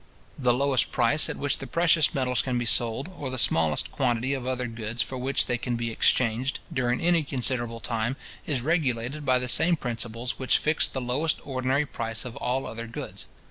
The lowest price at which the precious metals can be sold, or the smallest quantity of other goods for which they can be exchanged, during any considerable time, is regulated by the same principles which fix the lowest ordinary price of all other goods.